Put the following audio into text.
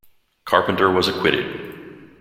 Carpenter was acquitted.